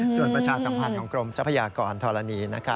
ส่วนประชาสัมพันธ์ของกรมทรัพยากรธรณี